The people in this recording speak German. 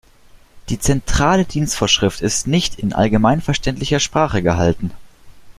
Die Zentrale Dienstvorschrift ist nicht in allgemeinverständlicher Sprache gehalten.